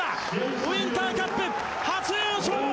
ウインターカップ初優勝！